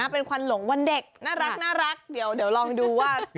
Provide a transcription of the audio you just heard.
เป็นควันหลงวันเด็กน่ารักเดี๋ยวลองดูว่า